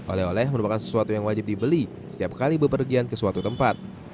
oleh oleh merupakan sesuatu yang wajib dibeli setiap kali bepergian ke suatu tempat